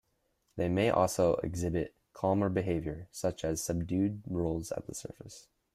They may also exhibit calmer behavior, such as subdued rolls at the surface.